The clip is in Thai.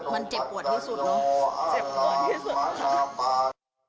มันเจ็บปวดที่สุดเนอะ